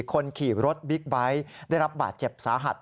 คนขี่รถบิ๊กไบท์ได้รับบาดเจ็บสาหัส